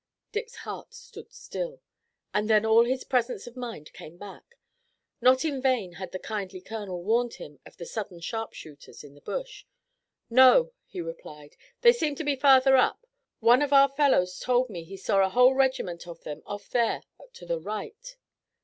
Dick's heart stood still, and then all his presence of mind came back. Not in vain had the kindly colonel warned him of the Southern sharpshooters in the bush. "No," he replied. "They seem to be farther up. One of our fellows told me he saw a whole regiment of them off there to the right."